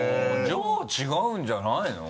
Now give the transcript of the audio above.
じゃあ違うんじゃないの？